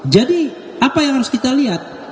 jadi apa yang harus kita lihat